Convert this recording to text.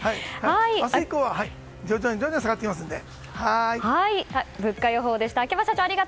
明日以降は徐々に下がってきますので。